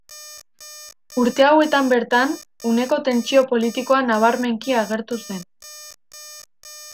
Urte hauetan bertan, uneko tentsio politikoa nabarmenki agertu zen.